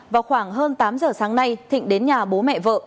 vào khoảng hơn tám giờ sáng nay thịnh đến nhà bố mẹ vợ